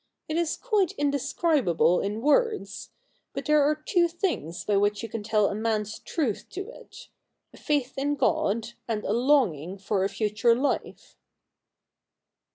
It is quite indescribable in words. But there are two things by which you can tell a man's truth to it — a faith in God, and a longing for a future life.'